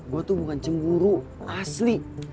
gue tuh bukan cemburu asli